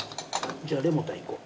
じゃあれもタンいこう。